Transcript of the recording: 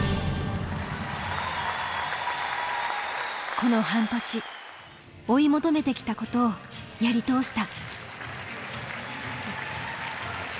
この半年追い求めてきたことをやり通した。